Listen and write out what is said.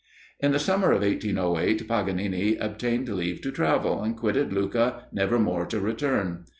In the summer of 1808, Paganini obtained leave to travel, and quitted Lucca, never more to return.